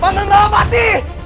paman malah mati